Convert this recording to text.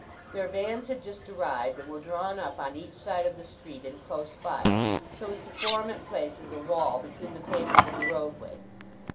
Their vans had just arrived, and were drawn up on each side of the street in close file, so as to form at places a wall between the pavement and the roadway.